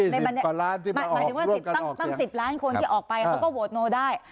หมายถึงว่าตั้ง๑๐ล้านคนที่ออกไปเขาก็โหวตโนได้